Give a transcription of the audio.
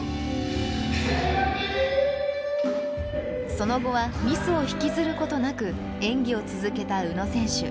その後はミスを引きずることなく演技を続けた宇野選手。